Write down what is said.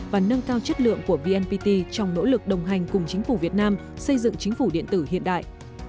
và nâng cao chất lượng của vnpt trong nỗ lực đồng hành cùng chính phủ việt nam xây dựng chính phủ điện tử hiện đại